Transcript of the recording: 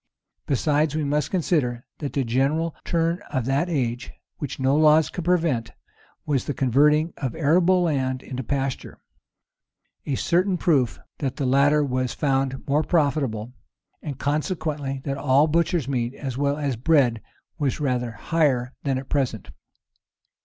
Besides, we must consider, that the general turn of that age, which no laws could prevent, was the converting of arable land into pasture; a certain proof that the latter was found more profitable, and consequently that all butcher's meat, as well as bread, was rather higher than at present.